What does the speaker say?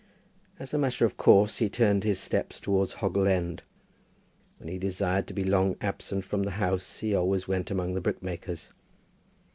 As a matter of course he turned his steps towards Hoggle End. When he desired to be long absent from the house, he always went among the brickmakers.